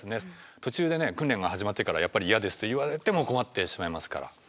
途中で訓練が始まってからやっぱり嫌ですと言われても困ってしまいますから。